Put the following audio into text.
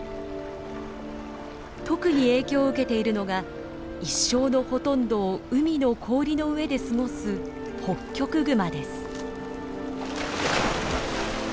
特に影響を受けているのが一生のほとんどを海の氷の上で過ごすホッキョクグマです。